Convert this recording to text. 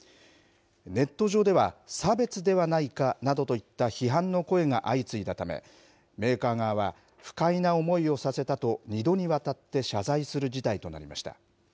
ネット上では差別ではないかといった批判の声が相次いだため、メーカー側は、不快な思いをさせたと二度にわたって謝罪する事態となりました。